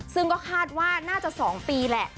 ซึ่งก็คาดว่าน่าจะ๒ปีแหละ